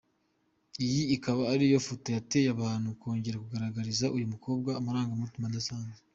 Iyi ikaba ari yo foto yateye abantu kongera kugaragariza uyu mukobwa amarangamutima adasanzwe.